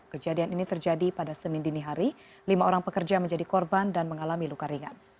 kejadian ini terjadi pada senin dini hari lima orang pekerja menjadi korban dan mengalami luka ringan